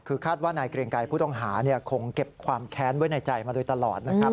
คือคาดว่านายเกรงไกรผู้ต้องหาคงเก็บความแค้นไว้ในใจมาโดยตลอดนะครับ